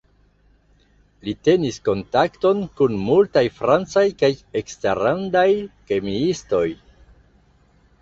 Li tenis kontaktojn kun multaj francaj kaj eksterlandaj kemiistoj.